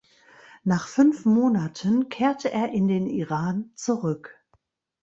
Nach fünf Monaten kehrte er in den Iran zurück.